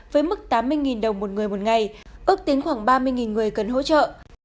với mức tám mươi đồng một người một ngày ước tính khoảng ba mươi người cần hỗ trợ